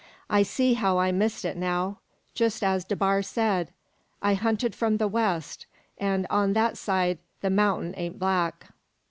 "I see how I missed it now, just as DeBar said. I hunted from the west, an' on that side the mount'in ain't black.